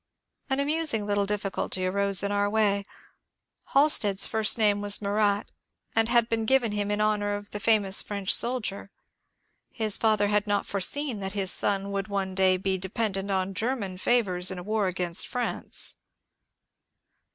An amusing little difficulty arose in our way. Halstead^s first name was Murat, and had been given him in honour of the famous French soldier. His father had not foreseen that his son would one day be dependent on German favours in a war against France.